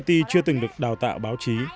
jyoti chưa từng được đào tạo báo chí